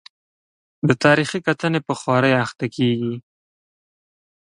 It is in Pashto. د تاریخي کتنې په خوارۍ اخته کېږي.